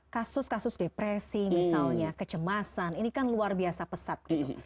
kasus kasus depresi misalnya kecemasan ini kan luar biasa pesat gitu